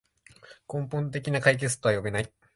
根本的な解決とは呼べない